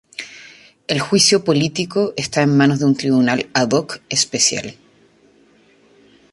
El juicio político está en manos de un tribunal "ad hoc" especial.